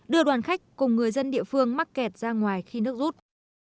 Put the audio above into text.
đưa đoàn khách cùng người dân địa phương mắc kẹt ra ngoài khi nước rút